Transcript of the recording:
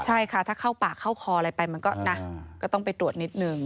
ใช่ค่ะถ้าเข้าปากเข้าคออะไรไปมันก็นะก็ต้องไปตรวจนิดนึง